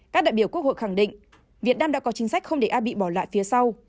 các đại biểu quốc hội khẳng định việt nam đã có chính sách không để ai bị bỏ lại phía sau